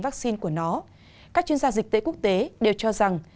vaccine của nó các chuyên gia dịch tễ quốc tế đều cho rằng